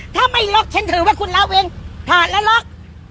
ถ้าไม่ล๊อกฉันถือว่าคุณเลาะเว้นถอดแล้วล๊อก